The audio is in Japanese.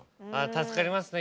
助かりますね